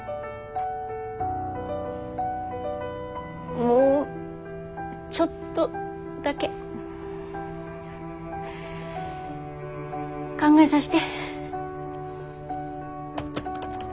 もうちょっとだけ考えさして。